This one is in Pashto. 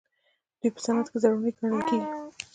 دوی په صنعت کې ضروري ګڼل کیږي.